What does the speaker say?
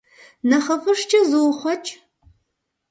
Нэхъыфӏыжкӏэ зуухъуэкӏ.